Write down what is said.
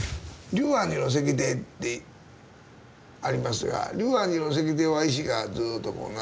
龍安寺の石庭ってありますが龍安寺の石庭は石がずっとこう並んでいる。